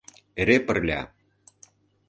Эре пырля.